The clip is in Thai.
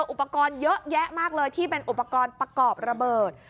อุปกรณ์เยอะแยะมากเลยที่เป็นอุปกรณ์ประกอบระเบิด